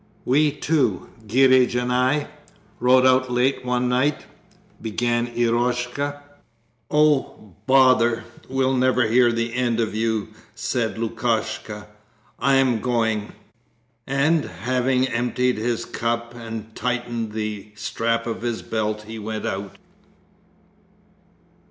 'We too, Girich and I, rode out late one night...' began Eroshka. 'Oh bother, we'll never hear the end of you!' said Lukashka. 'I am going.' And having emptied his cup and tightened the strap of his belt he went out.